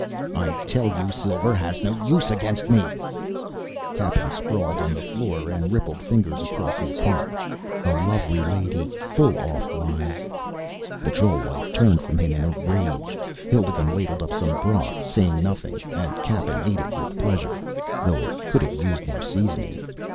"I tell you, silver has no use against me " Cappen sprawled on the floor and rippled fingers across his harp. "_A lovely lady full oft lies _" The troll wife turned from him in a rage. Hildigund ladled up some broth, saying nothing, and Cappen ate it with pleasure, though it could have used more seasoning.